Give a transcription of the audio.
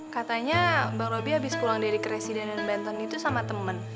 katanya bang robby abis pulang dari keresidenan benton itu sama temen